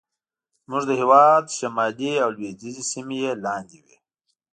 زموږ د هېواد شمالي او لوېدیځې سیمې یې لاندې وې.